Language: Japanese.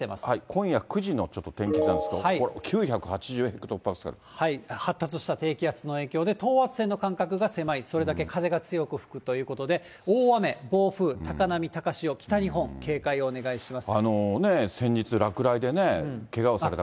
今夜９時のちょっと天気図なんですけど、発達した低気圧の影響で、等圧線の間隔が狭い、それだけ風が強く吹くということで、大雨、暴風、高波、高潮、北日本警戒をお願いします。